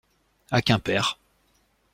À Quimper.